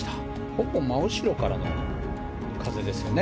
ほぼ真後ろからの風ですよね。